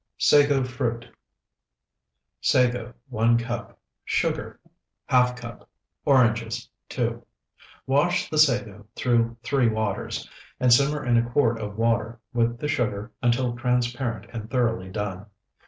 SAGO FRUIT Sago, 1 cup. Sugar, ½ cup. Oranges, 2. Wash the sago through three waters, and simmer in a quart of water with the sugar until transparent and thoroughly done.